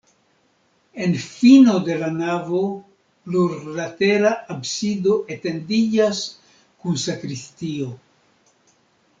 En fino de la navo plurlatera absido etendiĝas kun sakristio.